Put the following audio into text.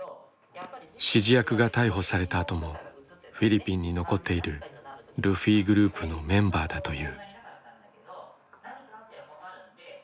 指示役が逮捕されたあともフィリピンに残っているルフィグループのメンバーだという。